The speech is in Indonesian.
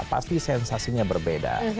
pasti sensasinya berbeda